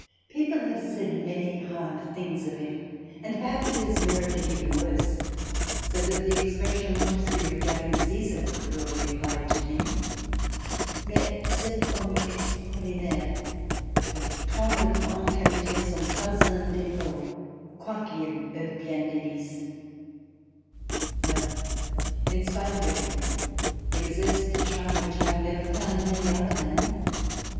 People have said many hard things of him, and perhaps he has merited even worse, so that the expression of Montesquieu regard ing Caesar could well be applied to him: "Mais cet homme extraordinaire avait tant de grandes qualites, sans pas un defaut, quoiqu'il eut bien des vices." Well, in spite of everything, he possessed a charm which I have never found in any other man.